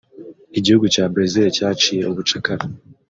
Igihugu cya Brazil cyaciye ubucakara